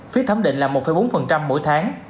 phí thấm định là một bốn mỗi tháng